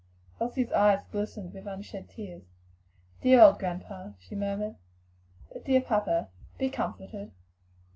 Elsie's eyes glistened with unshed tears. "Dear old grandpa!" she murmured. "But, dear papa, be comforted!